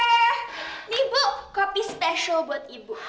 eh ini bu kopi spesial buat ibu